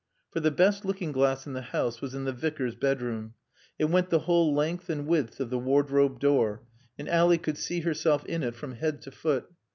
For the best looking glass in the house was in the Vicar's bedroom. It went the whole length and width of the wardrobe door, and Ally could see herself in it from head to foot.